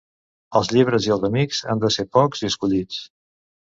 Els llibres i els amics han de ser pocs i escollits.